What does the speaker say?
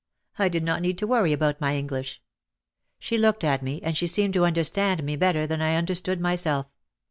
I did not need to worry about my English. She looked at me, and she seemed to under stand me better than I understood myself.